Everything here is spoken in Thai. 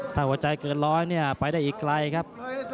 ถ้าหัวใจเกินร้อยเนี่ยไปได้อีกไกลครับ